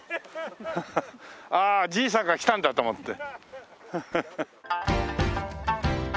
「ああじいさんが来たんだ」と思って。